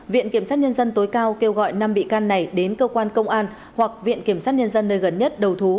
viện kiểm sát nhân dân tối cao kêu gọi năm bị can này đến cơ quan công an hoặc viện kiểm sát nhân dân nơi gần nhất đầu thú